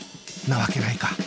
なわけないか